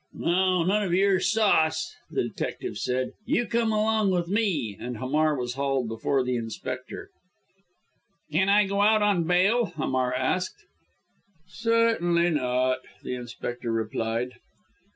"Now, none of your sauce!" the detective said, "you come along with me," and Hamar was hauled before the inspector. "Can I go out on bail?" Hamar asked. "Certainly not," the inspector replied.